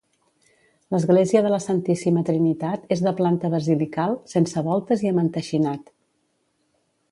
L'església de la Santíssima Trinitat és de planta basilical, sense voltes i amb enteixinat.